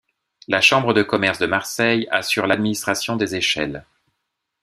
La Chambre de commerce de Marseille assure l'administration des échelles.